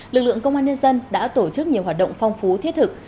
lực lượng công an nhân dân đã tổ chức nhiều hoạt động phong phú thiết thực